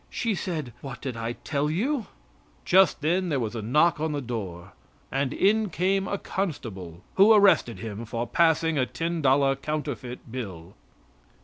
She said, "What did I tell you?" Just then there was a knock on the door, and in came a constable, who arrested him for passing a $10 counterfeit bill.